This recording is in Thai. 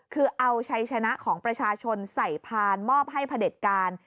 คือเอาชัยชนะของประชาชนใส่พานมอบให้พระเด็จการ